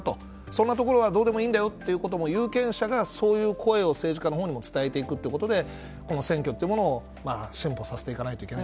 そんなところはどうでもいいんだよと有権者がそういう声を政治家のほうにも伝えていくことで進歩させていかないと。